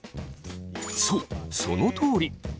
そうそのとおり。